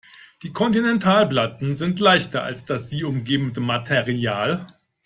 Die Kontinentalplatten sind leichter als das sie umgebende Material.